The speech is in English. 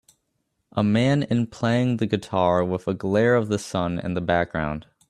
A man in playing the guitar with a glare of the sun in the background